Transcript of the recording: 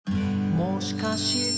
「もしかして」